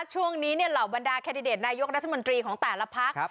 ช่วงนี้เนี่ยเหล่าบรรดาแคดดิเดตนายุทธ์รัฐมนตรีของ๘ละพัก